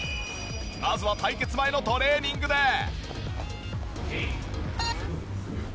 まずは対決前のトレーニングで。